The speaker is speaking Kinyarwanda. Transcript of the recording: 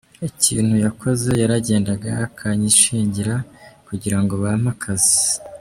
Ikintu yakoze yaragendaga akanyishingira kugira ngo bampe akazi.